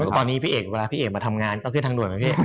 ตอนนี้พี่เอกเวลาพี่เอกมาทำงานก็ขึ้นทางด่วนไหมพี่